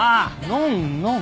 ノンノン。